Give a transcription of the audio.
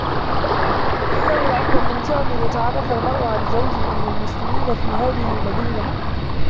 إنّه لأمر ممتع أن يتعرّف المرأ على زوج من المسلمين في هذه المدينة.